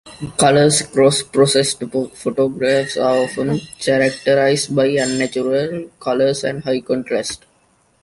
Color cross processed photographs are often characterized by unnatural colors and high contrast.